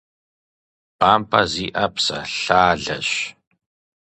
БампӀэ зиӀэ псэлъалэщ.